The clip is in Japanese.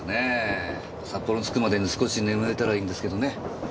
札幌に着くまでに少し眠れたらいいんですけどね。